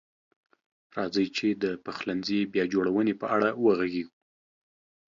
راځئ چې د پخلنځي بیا جوړونې په اړه وغږیږو.